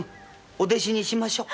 お弟子にしましょう。